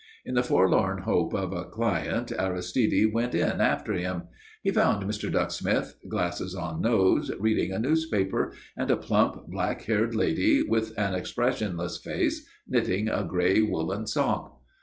In the forlorn hope of a client Aristide went in after him. He found Mr. Ducksmith, glasses on nose, reading a newspaper, and a plump, black haired lady, with an expressionless face, knitting a grey woollen sock.